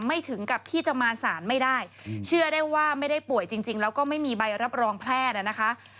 ถึงกับที่จะมาสารไม่ได้เชื่อได้ว่าไม่ได้ป่วยจริงแล้วก็ไม่มีใบรับรองแพทย์นะคะ